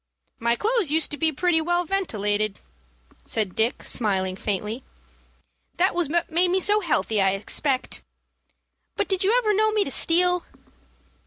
"My clothes used to be pretty well ventilated," said Dick, smiling faintly. "That was what made me so healthy, I expect. But did you ever know me to steal?"